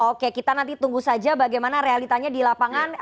oke kita nanti tunggu saja bagaimana realitanya di lapangan